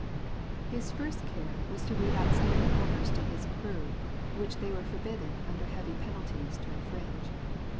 His first care was to read out standing orders to his crew, which they were forbidden under heavy penalties to infringe.